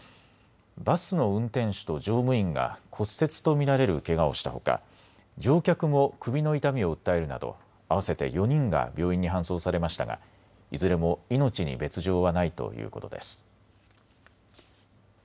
バスの運転手と乗務員が骨折と見られるけがをしたほか乗客も首の痛みを訴えるなど合わせて４人が病院に搬送されましたがいずれも命に別状はないということです。